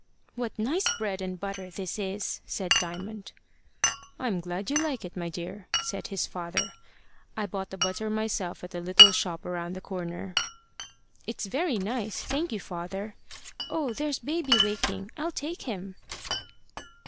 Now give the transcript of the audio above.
"What nice bread and butter this is!" said Diamond. "I'm glad you like it, my dear" said his father. "I bought the butter myself at the little shop round the corner." "It's very nice, thank you, father. Oh, there's baby waking! I'll take him."